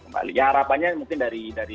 kembali ya harapannya mungkin dari